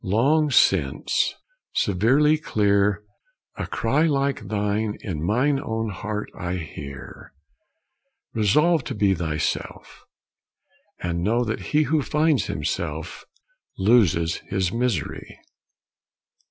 long since, severely clear, A cry like thine in mine own heart I hear: "Resolve to be thyself; and know that he Who finds himself, loses his misery!"